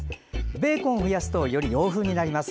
ベーコンを増やすとより洋風になります。